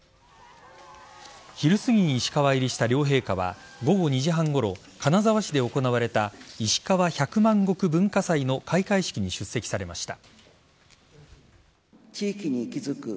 昼すぎに石川入りした両陛下は午後２時半ごろ金沢市で行われたいしかわ百万石文化祭の開会式に出席されました。